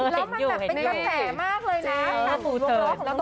แล้วมันแบบเป็นกระแสมากเลยนะ